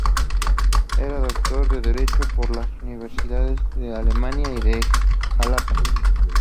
Era doctor en Derecho por las universidades de Almería y de Xalapa.